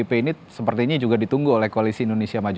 pdip ini sepertinya juga ditunggu oleh koalisi indonesia maju